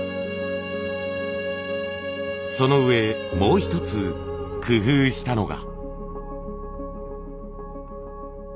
そのうえもう一つ工夫したのが。